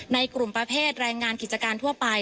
ในกลุ่มประเภทแรงงานกิจการทั่วไป